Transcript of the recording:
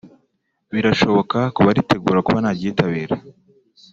birashoboka ku baritegura kuba naryitabira